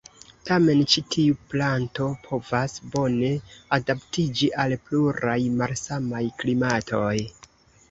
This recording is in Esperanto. Tamen ĉi tiu planto povas bone adaptiĝi al pluraj malsamaj klimatoj.